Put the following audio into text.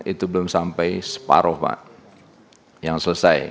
itu belum sampai separoh pak yang selesai